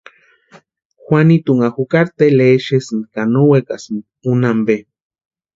Juanitunha jukari Tele exesïnti ka no wekasïnti úni ampe.